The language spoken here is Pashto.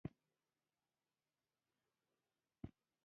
زه غواړم خپل هېواد نړۍ ته وپیژنم.